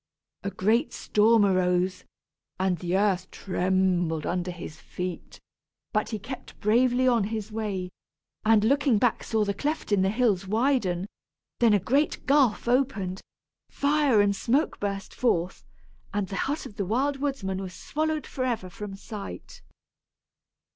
A great storm arose, and the earth trembled under his feet; but he kept bravely on his way, and looking back saw the cleft in the hills widen; then a great gulf opened, fire and smoke burst forth, and the hut of the Wild Woodsman was swallowed forever from sight.